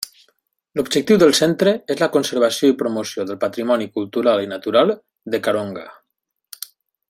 L'objectiu del centre és la conservació i promoció del patrimoni cultural i natural de Karonga.